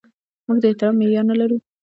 موږ د احترام معیار نه لرو.